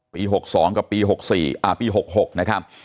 ปี๖๒กับปี๖๔อ่าปี๖๖นะครับ